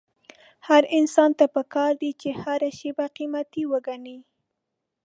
هر انسان ته پکار ده چې هره شېبه قيمتي وګڼي.